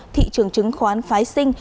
thị trường chứng khoán phái sinh